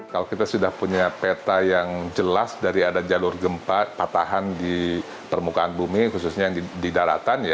kalau kita sudah punya peta yang jelas dari ada jalur gempa patahan di permukaan bumi khususnya yang di daratan